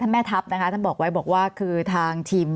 ท่านแม่ทัพท่านบอกว่าทางคุณภาคที่๒